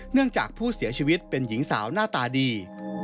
จากผู้เสียชีวิตเป็นหญิงสาวหน้าตาดี